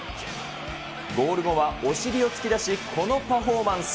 ゴール後はお尻を突き出し、このパフォーマンス。